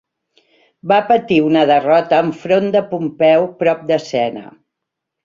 Va patir una derrota enfront de Pompeu prop de Sena.